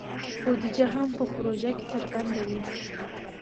بودیجه هم په پروژه کې څرګنده وي.